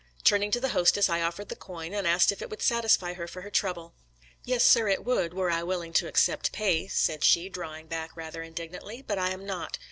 Turning to the hostess, I offered the coin and asked if it would satisfy her for her trouble. " Yes, sir, it would, were I willing to accept pay," said she, drawing back rather indignantly. " But I am not.